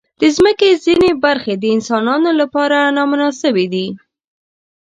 د مځکې ځینې برخې د انسانانو لپاره نامناسبې دي.